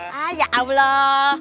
hai ya allah